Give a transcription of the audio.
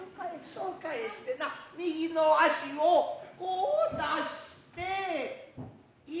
そう返してな右の足をこう出して「伊勢の國に」。